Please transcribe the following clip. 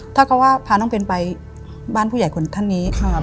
ถ้าเขาว่าพาน้องเบนไปบ้านผู้ใหญ่คนท่านนี้